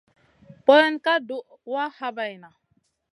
Boyen ka duh wa habayna.